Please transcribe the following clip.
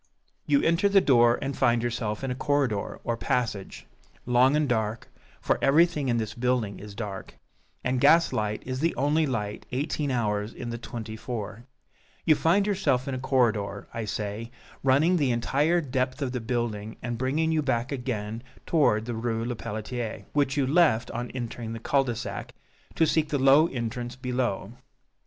You enter the door, and find yourself in a corridor or passage, long and dark, for everything in this building is dark, and gaslight is the only light eighteen hours in the twenty four; you find yourself in a corridor, I say, running the entire depth of the building, and bringing you back again toward the Rue Lepelletier, which you left on entering the cul de sac, to seek the low entrance below.